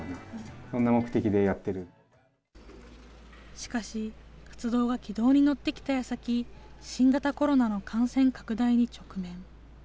しかし、活動が軌道に乗ってきたやさき、新型コロナの感染拡大に直面。